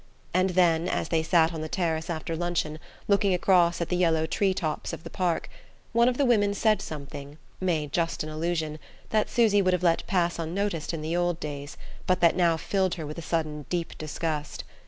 And then, as they sat on the terrace after luncheon, looking across at the yellow tree tops of the park, one of the women said something made just an allusion that Susy would have let pass unnoticed in the old days, but that now filled her with a sudden deep disgust....